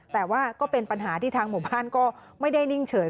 แต่ว่าก็เป็นปัญหาที่ทางหมู่บ้านก็ไม่ได้นิ่งเฉย